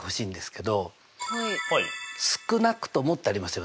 「少なくとも」ってありますよね。